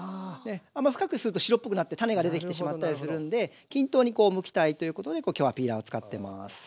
あんまり深くすると白っぽくなって種が出てきてしまったりするんで均等にむきたいということで今日はピーラーを使ってます。